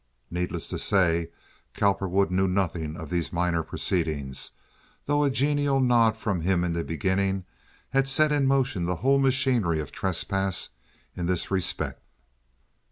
Needless to say, Cowperwood knew nothing of these minor proceedings, though a genial nod from him in the beginning had set in motion the whole machinery of trespass in this respect.